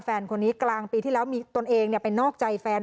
แฟนคนนี้กลางปีที่แล้วมีตนเองไปนอกใจแฟน